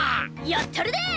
やったるで！